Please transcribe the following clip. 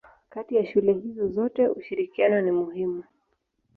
Kati ya shule hizo zote ushirikiano ni muhimu.